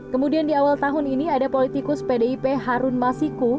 kemudian di awal tahun ini ada politikus pdip harun masiku